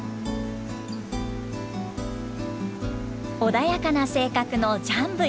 穏やかな性格のジャンブイ。